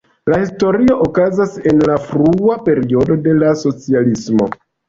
La historio okazas en la frua periodo de la socialismo.